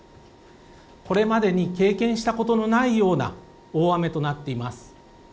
これまでに経験したことのないような大雨となっています。